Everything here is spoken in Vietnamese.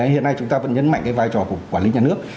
hiện nay chúng ta vẫn nhấn mạnh cái vai trò của quản lý nhà nước